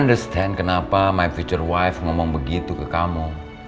understand kenapa my future wif ngomong begitu ke kamu